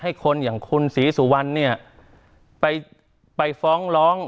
ให้คนอย่างคุณสีสุวรรณไปฟ้องร้อง